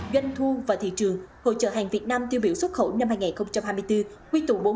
doanh thu và thị trường hội trợ hàng việt nam tiêu biểu xuất khẩu năm hai nghìn hai mươi bốn quy tụ bốn trăm năm mươi